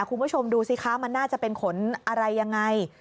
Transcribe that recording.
คุณผู้ชมดูสิคะมันน่าจะเป็นขนอะไรยังไง